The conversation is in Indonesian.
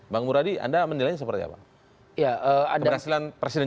bang muradi anda menilainya seperti apa